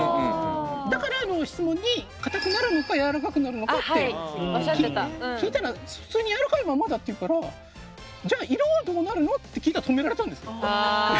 だからあの質問に固くなるのか柔らかくなるのかって聞いたら普通に柔らかいままだって言うからじゃあ色はどうなるのって聞いたら止められたんですよ。